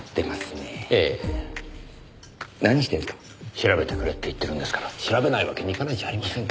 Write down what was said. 調べてくれって言ってるんですから調べないわけにいかないじゃありませんか。